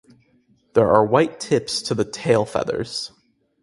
There are white tips to the tail feathers.